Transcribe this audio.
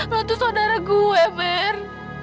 lo tuh saudara gue mer